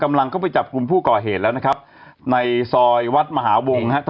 ฮ่าฮ่าฮ่าฮ่าฮ่าฮ่า